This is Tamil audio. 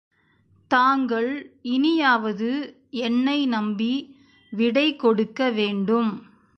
தாங்கள் இனியாவது என்னை நம்பி விடைகொடுக்க வேண்டும்.